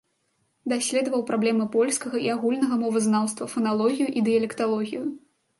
Даследаваў праблемы польскага і агульнага мовазнаўства, фаналогію і дыялекталогію.